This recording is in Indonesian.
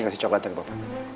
kasih cokelat aja bapak